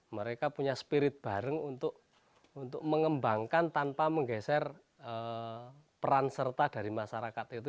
mereka punya spirit bareng untuk mengembangkan tanpa menggeser peran serta dari masyarakat itu